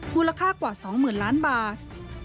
มูลค่ากว่า๒หมื่นล้านบาท